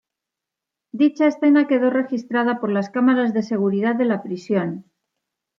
Dicha escena quedó registrada por las cámaras de seguridad de la prisión.